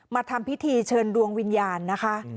ทำพิธีเชิญดวงวิญญาณนะคะ